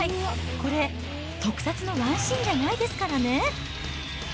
これ、特撮のワンシーンじゃないですからね。